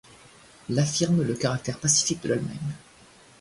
L' affirme le caractère pacifique de l'Allemagne.